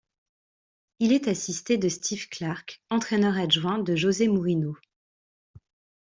Il est assisté de Steve Clarke, entraîneur-adjoint de José Mourinho.